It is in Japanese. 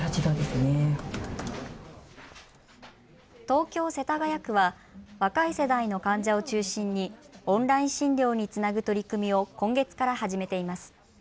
東京世田谷区は若い世代の患者を中心にオンライン診療につなぐ取り組みを今月から始めています。